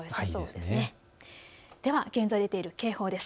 では現在出ている警報です。